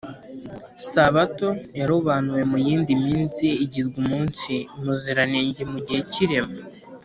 sabato yarobanuwe mu yindi minsi igirwa umunsi muziranenge mu gihe cy’irema